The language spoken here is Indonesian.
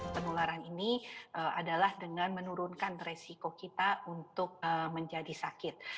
penularan ini adalah dengan menurunkan resiko kita untuk menjadi sakit